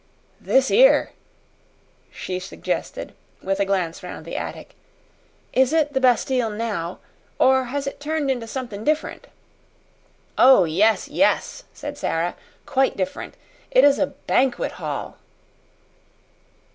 "This 'ere," she suggested, with a glance round the attic "is it the Bastille now or has it turned into somethin' different?" "Oh, yes, yes!" said Sara. "Quite different. It is a banquet hall!"